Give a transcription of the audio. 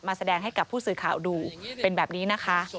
แสดงให้กับผู้สื่อข่าวดูเป็นแบบนี้นะคะ